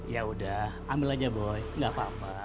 yaudah ambil aja boy gak apa apa